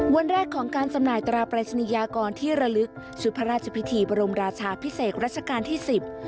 วันแรกของการจำหน่ายตราปรายศนียากรที่ระลึกชุดพระราชพิธีบรมราชาพิเศษรัชกาลที่สิบ